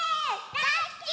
だいすき！